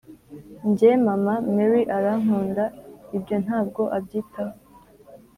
njye: mama, mary arankunda ibyo ntabwo abyitaho